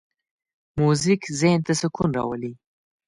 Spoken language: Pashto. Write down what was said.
موزیک ذهن ته سکون راولي.